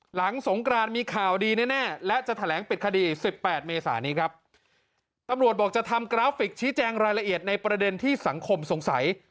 หลังสงกรานมีข่าวดีแน่และจะแถลงปิดคดีสิบแปดเมษานี้ครับตำรวจบอกจะทำกราฟิกชี้แจงรายละเอียดในประเด็นที่สังคมสงสัย